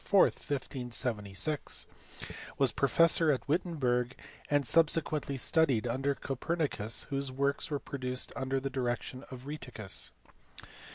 4, 1576, was professor at Wittenberg, and subsequently studied under Copernicus whose works were produced under the direction of Rheticus.